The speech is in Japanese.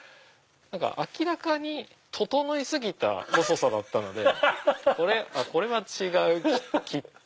明らかに整い過ぎた細さだったのでこれは違うきっと！